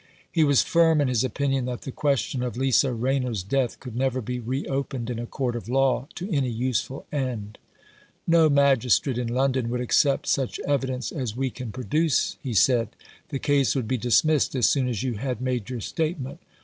He was firm in his opinion that the question of Lisa Rayner's death could never be reopened in a court of law to any useful end. "No magistrate in London would accept such evidence as we can produce," he said. "The case would be dismissed as soon as you had made your statement.